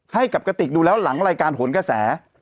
ให้กับกระติกดูแล้วหลังรายการโหนกระแส